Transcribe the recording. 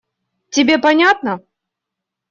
Тебе понятно?